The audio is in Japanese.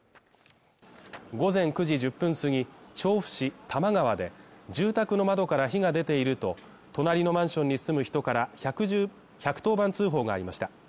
午前９時１０分すぎ、調布市多摩川で、住宅の窓から火が出ていると隣のマンションに住む人から１１０番通報がありました。